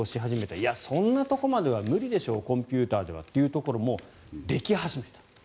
いや、そんなとこまでは無理でしょうコンピューターではというところもでき始めている。